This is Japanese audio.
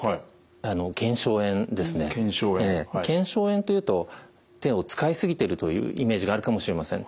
腱鞘炎というと手を使い過ぎてるというイメージがあるかもしれません。